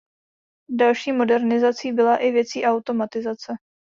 Další modernizací byla i věcí automatizace.